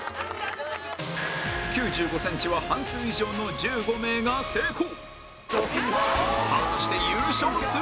９５センチは半数以上の１５名が成功